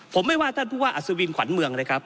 ผมไม่ว่าท่านผู้ว่าอัศวินขวัญเมืองเลยครับ